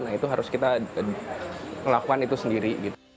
nah itu harus kita melakukan itu sendiri